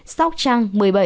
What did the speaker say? sóc trăng một mươi bảy